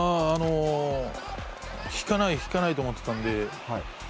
引かない、引かないと思っていたので。